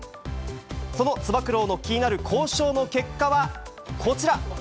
そのつば九郎の気になる交渉の結果は、こちら。